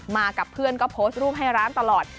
กับเพื่อนก็โพสต์รูปให้ร้านตลอด